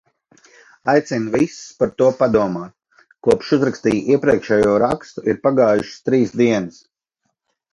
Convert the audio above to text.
Aicinu visus par to padomāt. Kopš uzrakstīju iepriekšējo rakstu ir pagājušas trīs dienas.